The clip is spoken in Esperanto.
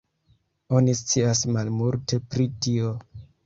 Oni scias malmulte pri tio.